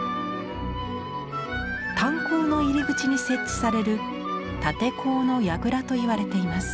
炭鉱の入り口に設置される立て坑のやぐらといわれています。